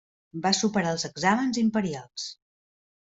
Va superar els exàmens imperials.